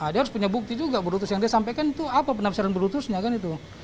dia harus punya bukti juga brutus yang dia sampaikan itu apa penafsiran brutusnya kan itu